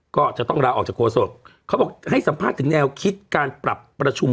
ก็จะต้องลาออกจากโฆษกเขาบอกให้สัมภาษณ์ถึงแนวคิดการปรับประชุม